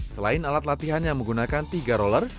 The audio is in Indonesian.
selain alat latihan yang menggunakan tiga roller